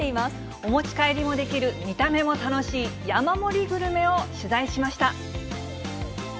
お持ち帰りもできる、見た目も楽しい、山盛りグルメを取材しました。